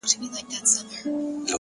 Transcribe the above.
پرمختګ د جرئت او ثبات اولاد دی!